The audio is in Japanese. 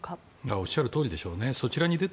おっしゃるとおりでしょうね。